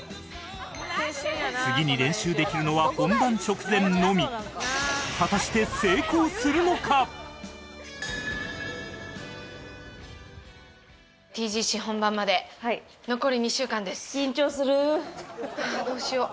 次に練習できるのは本番直前のみはあどうしよう。